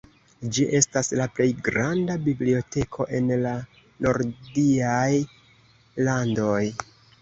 Ĝi estas la plej granda biblioteko en la nordiaj landoj.